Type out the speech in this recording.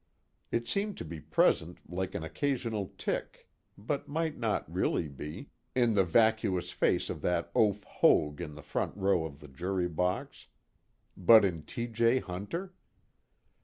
It seemed to be present like an occasional tic (but might not really be) in the vacuous face of that oaf Hoag in the front row of the jury box. But in T. J. Hunter?